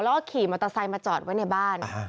แล้วก็ขี่มอเตอร์ไซค์มาจอดไว้ในบ้าน